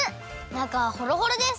なかはホロホロです！